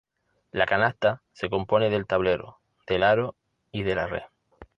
La canasta se compone del tablero, del aro y de la red.